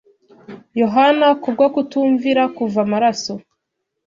Yohana kubwo kutumvira kuva amaraso